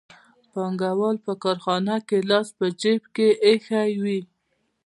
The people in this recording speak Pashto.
پانګوال په کارخانه کې لاس په جېب کې ایښی وي